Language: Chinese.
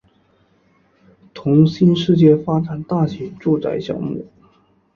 同区新世界发展大型住宅项目